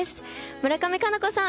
村上佳菜子さん